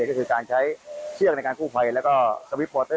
ก็คือการใช้เชื่อการคู่ไฟและก็สวิปพอเตอร์